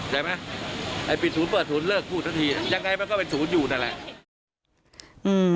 เห็นไหมไอ้ปิดศูนย์เปิดศูนย์เลิกพูดสักทียังไงมันก็เป็นศูนย์อยู่นั่นแหละ